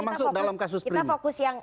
termasuk dalam kasus prima